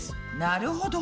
なるほど。